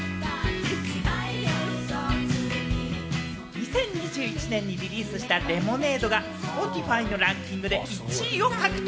２０２１年にリリースした『ｌｅｍｏｎａｄｅ』がＳｐｏｔｉｆｙのランキングで１位を獲得。